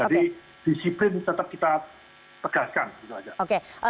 jadi disiplin tetap kita pegaskan